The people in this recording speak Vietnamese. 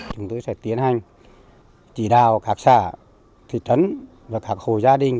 chúng tôi sẽ tiến hành chỉ đào các xã thị trấn và các hồ gia đình